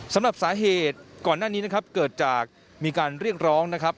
สำหรับสาเหตุก่อนหน้านี้นะครับเกิดจากมีการเรียกร้องนะครับ